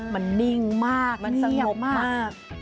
มันนิ่งมากเนียบมากมันสงบมาก